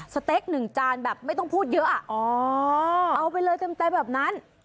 สเต็กหนึ่งจานแบบไม่ต้องพูดเยอะอ่ะอ๋อเอาไปเลยเต็มแบบนั้น